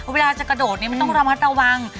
เวลาจะกระโดดต้องระมัดระวัง